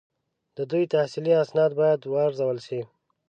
د دوی تحصیلي اسناد باید وارزول شي.